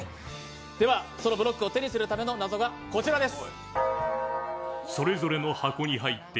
では、そのブロックを手にするための謎がこちらです。